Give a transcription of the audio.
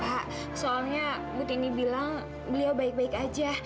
kak soalnya butini bilang beliau baik baik aja